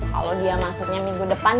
kalau dia masuknya minggu depan